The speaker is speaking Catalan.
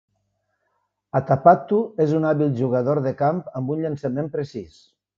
Atapattu és un hàbil jugador de camp amb un llançament precís.